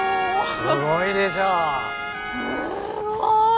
すごい。